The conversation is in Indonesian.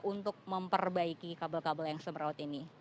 untuk memperbaiki kabel kabel yang semeraut ini